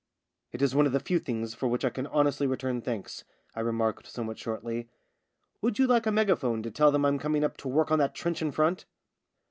"It is one of the few things for which I can honestly return thanks," I remarked somewhat shortly. '' Would you like a mega phone to tell them I'm coming up to work on that trench in front